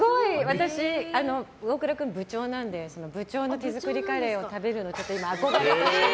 私、大倉君が部長なので部長の手作りカレーを食べるの憧れてて。